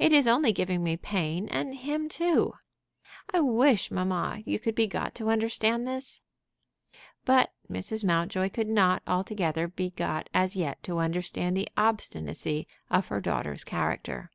It is only giving me pain and him too. I wish, mamma, you could be got to understand this." But Mrs. Mountjoy could not altogether be got as yet to understand the obstinacy of her daughter's character.